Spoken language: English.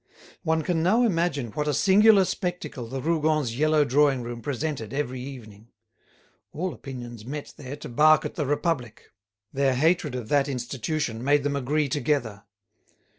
One can now imagine what a singular spectacle the Rougons' yellow drawing room presented every evening. All opinions met there to bark at the Republic. Their hatred of that institution made them agree together.